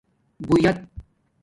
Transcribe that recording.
بویت